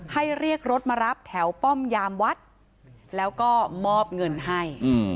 เรียกรถมารับแถวป้อมยามวัดแล้วก็มอบเงินให้